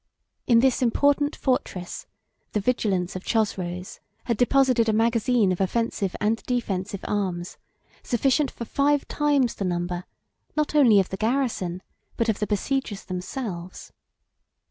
In this important fortress, the vigilance of Chosroes had deposited a magazine of offensive and defensive arms, sufficient for five times the number, not only of the garrison, but of the besiegers themselves.